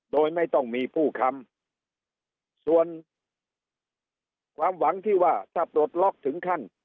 โดยไม่ต้องมีผู้ค้ำส่วนความหวังที่ว่าถ้าปลดล็อกถึงขั้น